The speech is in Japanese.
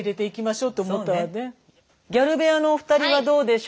ギャル部屋のお二人はどうでしょう？